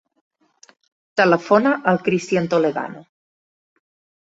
Telefona al Cristián Toledano.